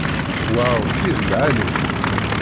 Waw, i d lɛali-t!